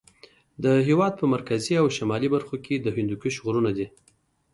د هېواد په مرکزي او شمالي برخو کې د هندوکش غرونه دي.